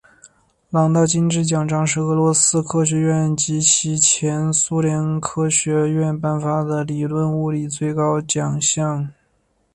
朗道金质奖章是俄罗斯科学院及其前身苏联科学院颁发的理论物理最高奖项。